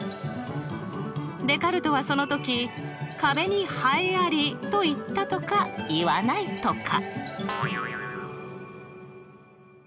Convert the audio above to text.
デカルトはその時「壁にはえあり」と言ったとか言わないとか。